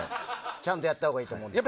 ちゃんとやったほうがいいと思います。